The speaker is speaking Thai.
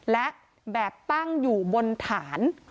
และแบบตั้งอยู่บนฐาน